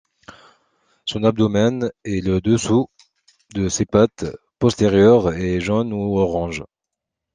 Son abdomen et le dessous de ses pattes postérieures est jaune ou orange.